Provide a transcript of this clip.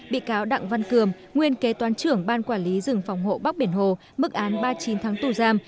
bị cáo đặng văn cường nguyên kế toán trưởng ban quản lý rừng phòng hộ bắc biển hồ mức án ba mươi chín tháng tù giam